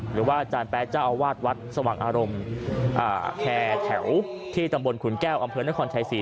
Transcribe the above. หรือว่าอาจารย์แปดเจ้าอาวาสวังอารมณ์แถวที่ตำบลขุนแก้วอำเภวนครไทย๔